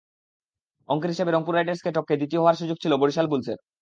অঙ্কের হিসেবে রংপুর রাইডার্সকে টপকে দ্বিতীয় হওয়ার সুযোগ ছিল বরিশাল বুলসের।